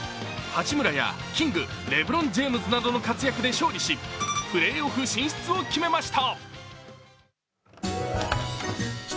八村やキング、レブロン・ジェームズなどの活躍で勝利し、プレーオフ進出を決めました。